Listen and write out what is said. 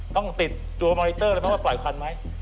ต้องติดดูเมอร์นิเตอร์เลยมั้ยว่าปล่อยควันมั้ย